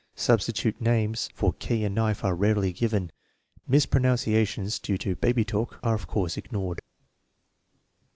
Substitute names for " key " and "knife" are rarely given. Mispronunciations due to baby talk are of course ignored.